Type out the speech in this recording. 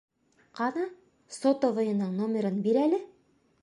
Ҡана, сотовыйының номерын бир әле!